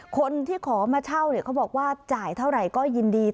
คนที่ขอมาเช่าเขาบอกว่าจ่ายเท่าไหร่ก็ยินดี